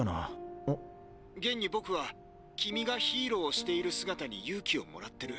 現に僕は「君がヒーローをしている姿」に勇気をもらってる。